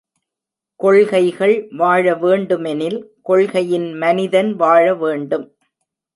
கொள்கைகள் வாழவேண்டுமெனில், கொள்கையின் மனிதன் வாழவேண்டும்.